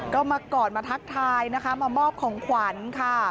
ก็มากอดมาทักทายนะคะมามอบของขวัญค่ะ